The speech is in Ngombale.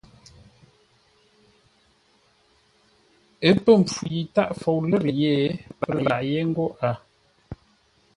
Ə́ pə̂ mpfu yi tâʼ fou lə̌r yé, pə́ lâʼ yé ńgó a.